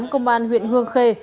công an huyện hương khê